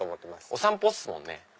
お散歩っすもんね。